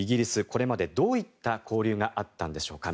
これまでどういった交流があったのでしょうか。